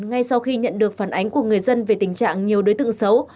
ngay sau khi nhận được phản ánh của người dân về tình trạng nhiều đối tượng xấu